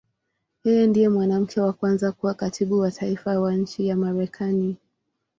Yeye ndiye mwanamke wa kwanza kuwa Katibu wa Taifa wa nchi ya Marekani.